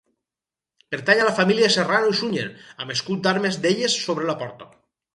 Pertany a la família Serrano i Sunyer, amb escut d'armes d'elles sobre la porta.